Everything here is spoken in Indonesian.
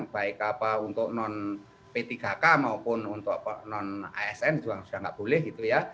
baik apa untuk non p tiga k maupun untuk non asn juga sudah nggak boleh gitu ya